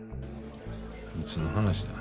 いつの話や。